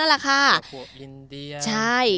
ชาวชมพูอินเดีย